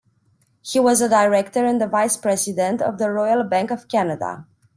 He was a director and a vice-president of the Royal Bank of Canada.